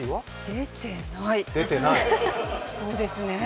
出てない。